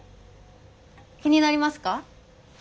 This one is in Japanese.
気になりますか？